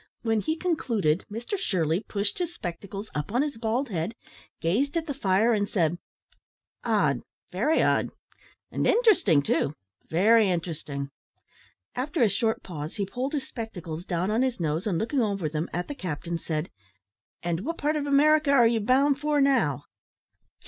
When he concluded, Mr Shirley pushed his spectacles up on his bald head, gazed at the fire, and said, "Odd, very odd; and interesting too very interesting." After a short pause, he pulled his spectacles down on his nose, and looking over them at the captain, said, "And what part of America are you bound for now?"